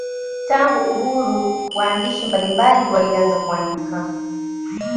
Tangu uhuru waandishi mbalimbali walianza kuandika.